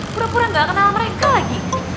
pura pura gak kenal mereka lagi